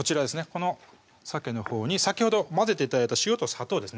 このさけのほうに先ほど混ぜて頂いた塩と砂糖ですね